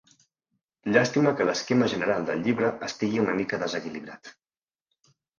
Llàstima que l'esquema general del llibre estigui una mica desequilibrat.